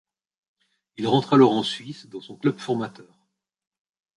Il rentre alors en Suisse, dans son club formateur.